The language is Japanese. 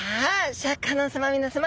シャーク香音さま皆さま。